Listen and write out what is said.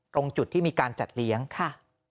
ตรงจุดที่มีการจัดเลี้ยงค่ะ